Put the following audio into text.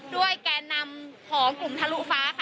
แก่นำของกลุ่มทะลุฟ้าค่ะ